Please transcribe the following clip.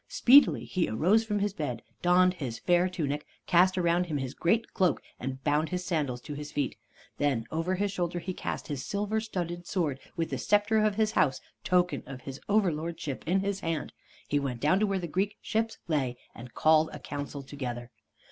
Speedily he arose from his bed, donned his fair tunic, cast around him his great cloak, and bound his sandals on his feet. Then over his shoulder he cast his silver studded sword, and with the scepter of his house, token of his overlordship, in his hand, he went down to where the Greek ships lay, and called a council together.